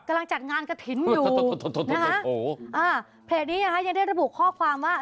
จัดงานกระถิ่นอยู่อ่าเพจนี้นะคะยังได้ระบุข้อความว่า